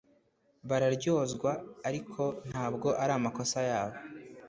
bararyozwa, ariko ntabwo ari amakosa yabo